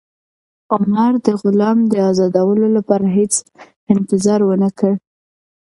عمر د غلام د ازادولو لپاره هېڅ انتظار ونه کړ.